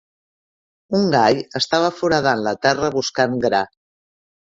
Un gall estava foradant la terra buscant gra.